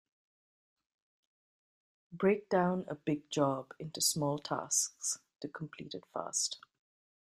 Break down a big job into small tasks to complete it fast.